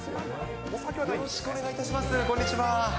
よろしくお願いいたします、こんにちは。